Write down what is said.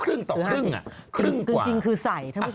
ครึ่งต่อครึ่งอ่ะครึ่งจริงคือใส่ท่านผู้ชม